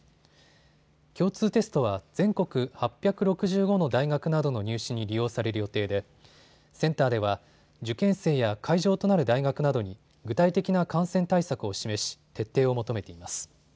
共通テストは全国８６５の大学などの入試に利用される予定でセンターでは受験生や会場となる大学などに具体的な感染対策を示し、徹底を求めています。